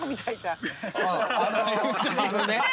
あのね。